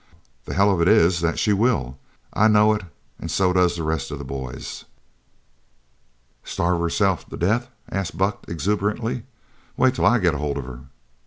The hell of it is that she will. I know it an' so does the rest of the boys." "Starve herself to death?" said Buck exuberantly. "Wait till I get hold of her!"